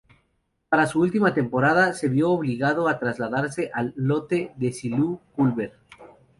Para su última temporada, se vio obligado a trasladarse al lote Desilu-Culver.